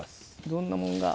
どんなもんが？